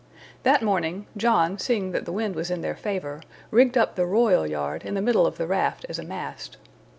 That morning, John seeing that the wind was in their favor, rigged up the royal yard in the middle of the raft as a mast.